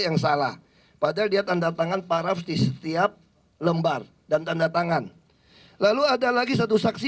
yang salah padahal dia tanda tangan paraf di setiap lembar dan tanda tangan lalu ada lagi satu saksi